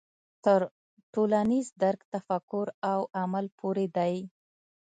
تر ټولنیز درک تفکر او عمل پورې دی.